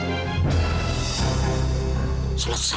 bila perlu kita timan